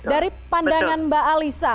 dari pandangan mbak alisa